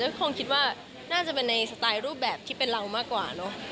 ก็คงคิดว่าน่าจะเป็นในสไตล์รูปแบบที่เป็นเรามากกว่าเนอะ